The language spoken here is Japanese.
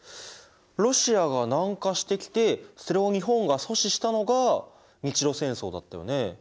ロシアが南下してきてそれを日本が阻止したのが日露戦争だったよね。